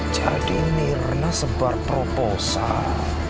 jadi mirna sebar proposal